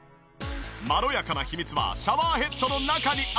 まろやかな秘密はシャワーヘッドの中にあり！